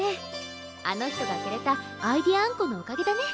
あの人がくれた「アイディアあんこ」のおかげだね。